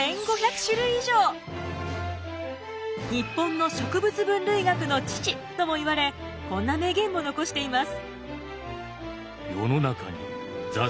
日本の植物分類学の父ともいわれこんな名言も残しています。